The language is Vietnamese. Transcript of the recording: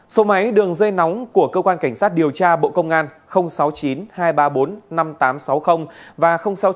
số máy đường dây nóng của cơ quan cảnh sát điều tra bộ công an sáu mươi chín hai trăm ba mươi bốn năm nghìn tám trăm sáu mươi và sáu mươi chín hai trăm ba mươi một một nghìn sáu trăm